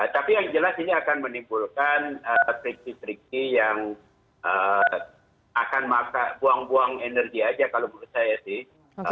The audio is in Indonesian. tapi yang jelas ini akan menimbulkan trik trik trik yang akan buang buang energi saja kalau menurut saya sih